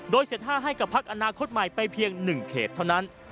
โดยเสร็จ๕ให้กับพักอนาคตใหม่ไปเพียง๑เขตเท่านั้น